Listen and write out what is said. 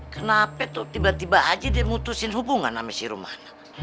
kenapa tuh tiba tiba aja dia mutusin hubungan sama si rumahnya